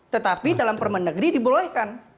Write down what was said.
tetapi dalam permendagri dibolehkan